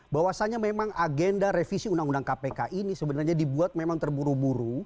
bahwasannya memang agenda revisi undang undang kpk ini sebenarnya dibuat memang terburu buru